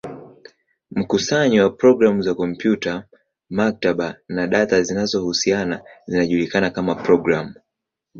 Mkusanyo wa programu za kompyuta, maktaba, na data zinazohusiana zinajulikana kama programu.